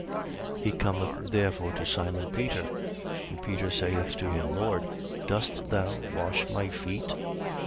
13:6. He cometh therefore to Simon Peter. And Peter saith to him: Lord, dost thou wash my feet?